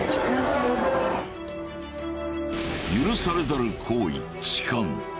許されざる行為痴漢。